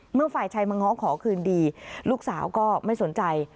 เมื่อฝ่ายชายมาง้อขอคืนดีลูกสาวก็ไม่สนใจ